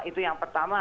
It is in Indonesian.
itu yang pertama